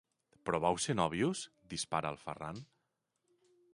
Però vau ser nòvios? –dispara el Ferran–.